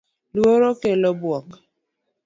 Luoro kelo bwok .